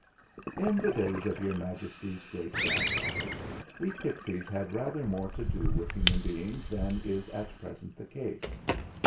"In the days of Your Majesty's great grandfather we pixies had rather more to do with human beings than is at present the case.